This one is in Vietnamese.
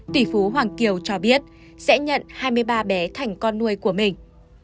tỷ phú hoàng kiều cho biết sẽ nhận hai mươi ba bé thành con nuôi của mình